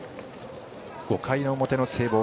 ５回の表の聖望